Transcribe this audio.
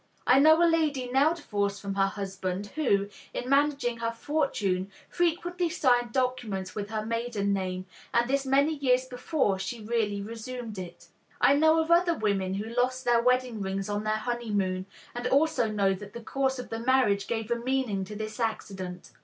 I know a lady now divorced from her husband, who, in managing her fortune, frequently signed documents with her maiden name, and this many years before she really resumed it. I know of other women who lost their wedding rings on their honeymoon and also know that the course of the marriage gave a meaning to this accident.